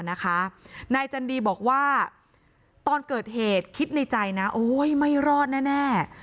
นายจันดีบอกว่าตอนเกิดเหตุคิดในใจนะโอ๊ยไม่รอดแน่